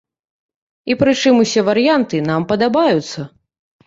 І пры чым усе варыянты нам падабаюцца.